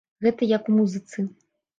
Гэта як у музыцы.